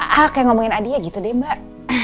kayak ngomongin adia gitu deh mbak